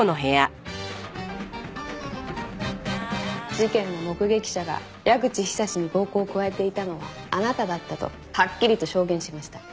事件の目撃者が矢口久志に暴行を加えていたのはあなただったとはっきりと証言しました。